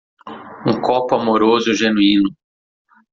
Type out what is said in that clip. Um copo amoroso genuíno.